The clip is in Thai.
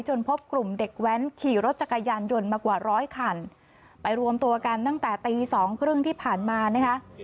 พบกลุ่มเด็กแว้นขี่รถจักรยานยนต์มากว่าร้อยคันไปรวมตัวกันตั้งแต่ตีสองครึ่งที่ผ่านมานะคะ